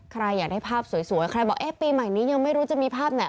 ใครอยากได้ภาพสวยใครบอกเอ๊ะปีใหม่นี้ยังไม่รู้จะมีภาพไหน